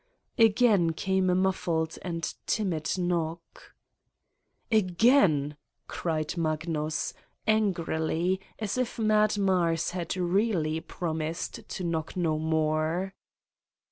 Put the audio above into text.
..." Again came a muffled and timid knock. "Again!" cried Magnus, angrily, as if Mad Mars had really promised to knock no more.